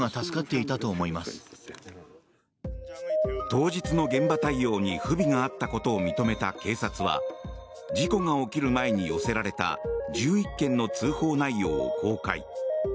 当日の現場対応に不備があったことを認めた警察は事故が起きる前に寄せられた１１件の通報内容を公開。